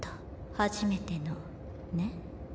初めてのね。